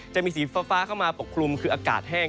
จะมีสีฟ้าเข้ามาปกคลุมคืออากาศแห้ง